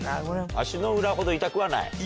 足の裏ほど痛くはない？